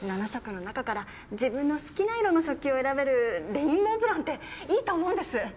７色の中から自分の好きな色の食器を選べるレインボープランっていいと思うんです！